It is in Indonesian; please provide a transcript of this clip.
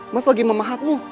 mas lagi memahamu